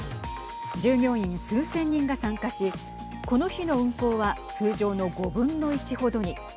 従業員、数千人が参加しこの日の運行は通常の５分の１ほどに。